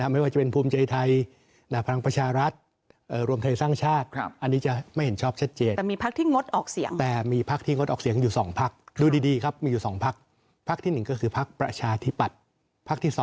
ไม่ว่าจะเป็นภูมิใจไทยหน้าพลังประชารัฐ